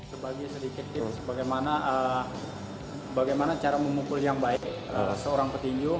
sebagai sedikit tips bagaimana cara memukul yang baik seorang petinju